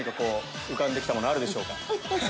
浮かんできたものあるでしょうか。